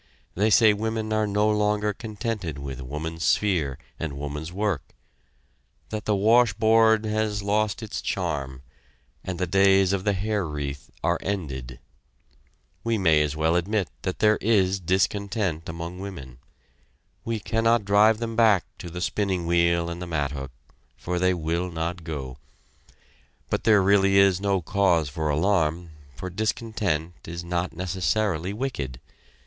They say women are no longer contented with woman's sphere and woman's work that the washboard has lost its charm, and the days of the hair wreath are ended. We may as well admit that there is discontent among women. We cannot drive them back to the spinning wheel and the mathook, for they will not go. But there is really no cause for alarm, for discontent is not necessarily wicked.